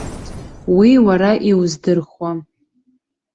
Уи уара иуздырхуам!